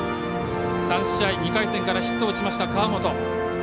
３試合２回戦からヒットを打ちました川原。